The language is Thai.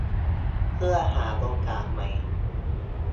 เพื่อหาโอกาสใหม่